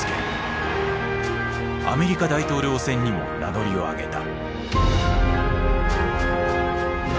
アメリカ大統領選にも名乗りを上げた。